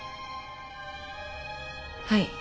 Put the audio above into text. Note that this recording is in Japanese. はい。